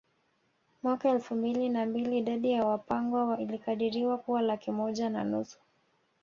Mwaka elfu mbili na mbili idadi ya Wapangwa ilikadiriwa kuwa laki moja na nusu